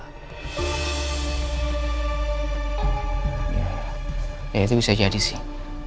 ya itu bisa jadi sih